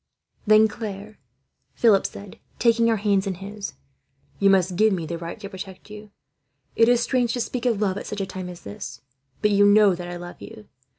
"Then, Claire," Philip said, taking her hands in his, "you must give me the right to protect you. It is strange to speak of love, at such a time as this; but you know that I love you.